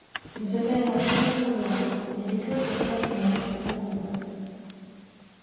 Il se fait alors connaître en Europe, et des clubs tels qu'Arsenal le convoitent.